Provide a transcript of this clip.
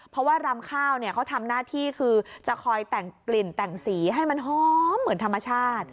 เพราะว่ารำข้าวเนี่ยเขาทำหน้าที่คือจะคอยแต่งกลิ่นแต่งสีให้มันหอมเหมือนธรรมชาติ